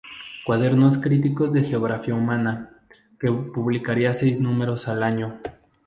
Cuadernos Críticos de Geografía Humana", que publicaría seis números al año.